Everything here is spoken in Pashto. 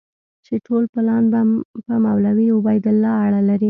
چې ټول پلان په مولوي عبیدالله اړه لري.